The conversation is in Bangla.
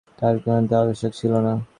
তাহারও কিছুমাত্র আবশ্যক ছিল না।